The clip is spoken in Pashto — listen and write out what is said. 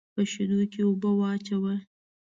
په شېدو کې اوبه واچوه.